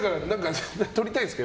撮りたいですか？